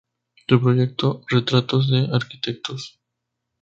Su proyecto "Retratos de arquitectos.